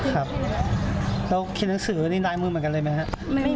ครับเราเขียนหนังสือนี่ลายมือเหมือนกันเลยไหมครับ